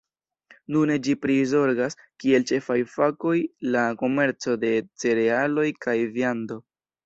Nune ĝi prizorgas kiel ĉefaj fakoj la komerco de cerealoj kaj viando.